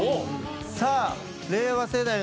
さあ令和世代の皆さん